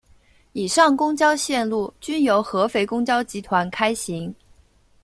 以上公交线路均由合肥公交集团开行。